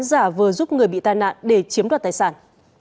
giả vờ giúp người bị tai nạn để chiếm đoạt tài sản